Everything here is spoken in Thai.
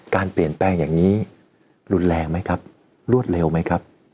การเปลี่ยนแปลงอย่างนี้รุนแรงไหมครับรวดเร็วไหมครับ